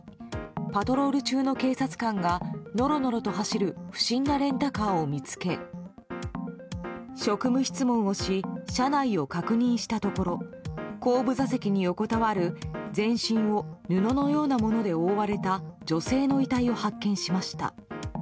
パトロール中の警察官がのろのろと走る不審なレンタカーを見つけ職務質問をし車内を確認したところ後部座席に横たわる、全身を布のようなもので覆われた女性の遺体を発見しました。